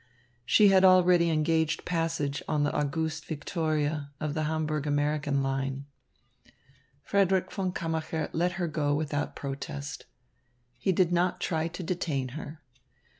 She had already engaged passage on the Auguste Victoria of the Hamburg American line. Frederick von Kammacher let her go without protest. He did not try to detain her.